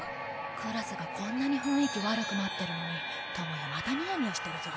クラスがこんなにふんいき悪くなってるのに智也またニヤニヤしてるぞ。